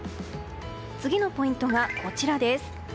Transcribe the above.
次のポイントが、こちらです。